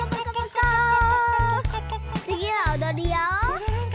つぎはおどるよ。